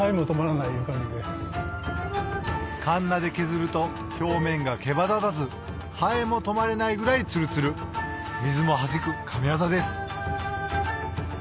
鉋で削ると表面がけば立たずハエも止まれないぐらいツルツル水もはじく神業です